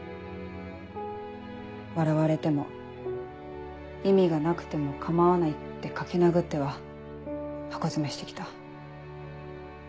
笑われても意味がなくても構わないって書き殴っては箱詰めして来た。